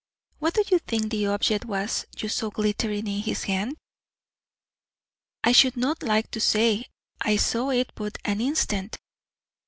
"What do you think the object was you saw glittering in his hand?" "I should not like to say; I saw it but an instant."